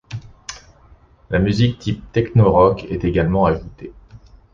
La musique type techno-rock est également ajouté.